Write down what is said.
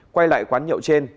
quay lại quán nhậu trên